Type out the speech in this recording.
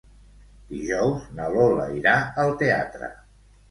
Dijous na Lola irà al teatre.